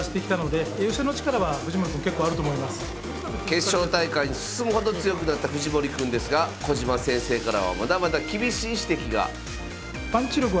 決勝大会に進むほど強くなった藤森くんですが小島先生からはまだまだ厳しい指摘が。